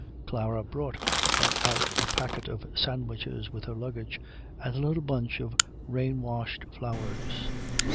Klara brought her out a packet of sandwiches with her luggage, and a little bunch of rain washed flowers.